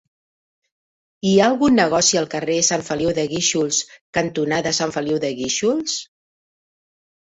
Hi ha algun negoci al carrer Sant Feliu de Guíxols cantonada Sant Feliu de Guíxols?